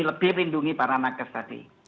lebih melindungi para naga tadi